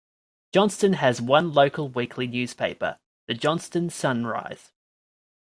Johnston has one local weekly newspaper, the Johnston Sun Rise.